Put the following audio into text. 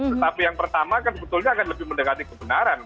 tetapi yang pertama kan sebetulnya akan lebih mendekati kebenaran